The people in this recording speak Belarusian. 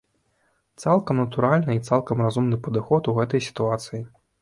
Цалкам натуральны і цалкам разумны падыход у гэтай сітуацыі.